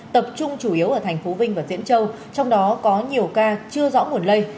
tập trung chủ yếu ở thành phố vinh và diễn châu trong đó có nhiều ca chưa rõ nguồn lây